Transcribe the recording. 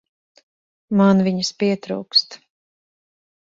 Man viņas pietrūkst.